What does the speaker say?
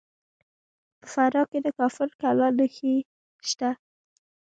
په فراه کې د کافر کلا نښې شته